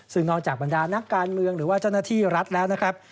ซึ่งนอกจากบรรดานักการเมืองหรือว่าเจ้าหน้าที่รัฐแล้วนะครับ